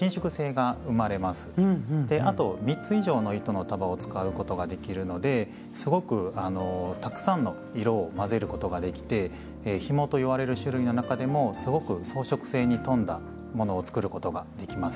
あと３つ以上の糸の束を使うことができるのですごくたくさんの色を交ぜることができて「ひも」といわれる種類の中でもすごく装飾性に富んだものを作ることができます。